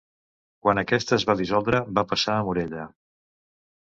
Quan aquesta es va dissoldre va passar a Morella.